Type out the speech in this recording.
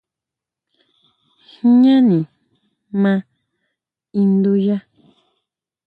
Jñáni ma induya.